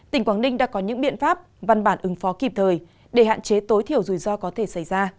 tỉnh quảng ninh đã có những biện pháp văn bản ứng phó kịp thời để hạn chế tối thiểu rủi ro có thể xảy ra